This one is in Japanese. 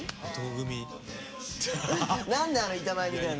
何だよあの板前みたいな。